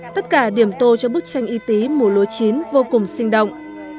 tất cả điểm tô cho bức tranh y tí mùa lúa chín vô cùng sinh động